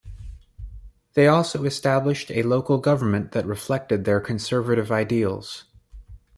They also established a local government that reflected their conservative ideals.